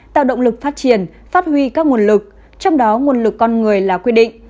tạo động lực phát triển phát huy các nguồn lực trong đó nguồn lực con người là quy định